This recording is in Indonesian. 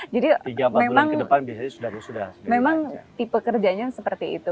jadi memang tipe kerjanya seperti itu